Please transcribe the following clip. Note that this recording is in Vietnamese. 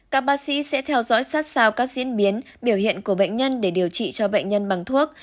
các bác sĩ sẽ theo dõi sát sao các diễn biến biểu hiện của bệnh nhân để điều trị cho bệnh nhân bằng thuốc